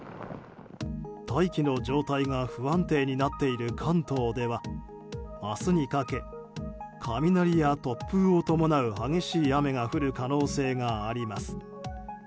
大気の状態が不安定になっている関東では明日にかけ、雷や突風を伴う激しい雨が降る可能性があります。